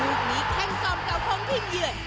รูปนี้แท่งกล่อมเก่าของทีมเยือน